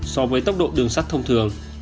so với tốc độ đường sắt thông thường